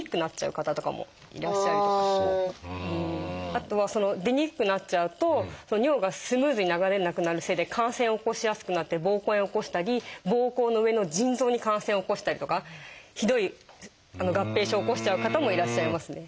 あとは出にくくなっちゃうと尿がスムーズに流れなくなるせいで感染を起こしやすくなってぼうこう炎を起こしたりぼうこうの上の腎臓に感染を起こしたりとかひどい合併症を起こしちゃう方もいらっしゃいますね。